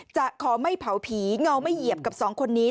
จะขอไม่เผาผีเงาไม่เหยียบกับสองคนนี้